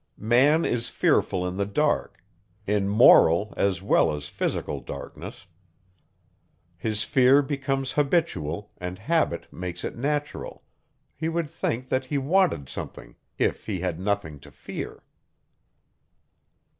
Man is fearful in the dark in moral, as well as physical darkness. His fear becomes habitual, and habit makes it natural; he would think that he wanted something, if he had nothing to fear.